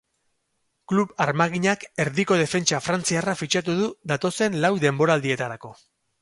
Klub armaginak erdiko defentsa frantziarra fitxatu du datozen lau denboraldietarako.